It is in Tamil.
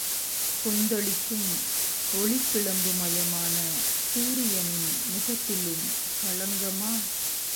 கொந்தளிக்கும் ஒளிப்பிழம்புமயமான சூரியனின் முகத்திலும் களங்கமா?